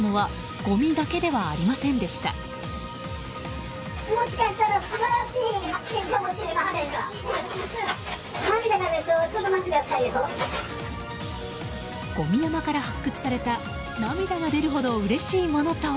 ごみ山から発掘された涙が出るほどうれしいものとは。